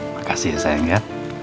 makasih ya sayang ya